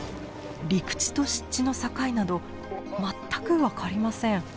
陸地と湿地の境など全く分かりません。